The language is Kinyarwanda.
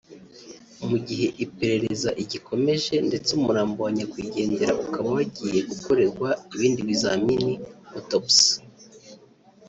mu gihe iperereza igikomeje ndetse umurambo wa nyakwigendera ukaba wagiye gukorerwa ibindi bizamini (autopsy)